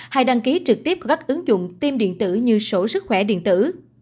hay đăng ký trực tiếp qua các ứng dụng tiêm điện tử như sổ sức khỏe điện tử